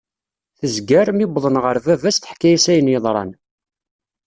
Tezger, mi wḍen ɣer baba-s teḥka-as ayen yeḍran.